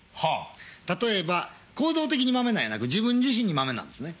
例えば行動的にはマメなんじゃなく自分自身にマメなんです。